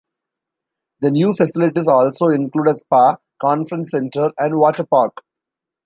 The new facilities also include a spa, conference center and water park.